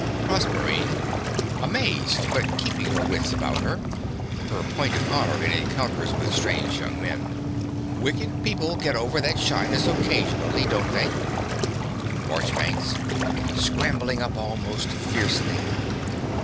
PROSERPINE (amazed, but keeping her wits about her her point of honor in encounters with strange young men). Wicked people get over that shyness occasionally, don't they? MARCHBANKS (scrambling up almost fiercely).